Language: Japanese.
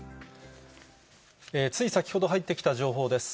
つい先ほど入ってきた情報です。